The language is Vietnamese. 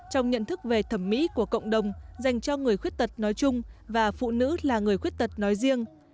trong nhận thức về thẩm mỹ của cộng đồng dành cho người khuyết tật nói chung và phụ nữ là người khuyết tật nói riêng